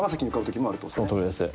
そのとおりです。